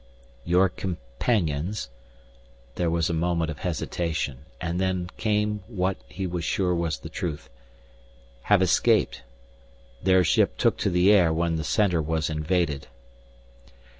"Your companions" there was a moment of hesitation, and then came what he was sure was the truth "have escaped. Their ship took to the air when the Center was invaded."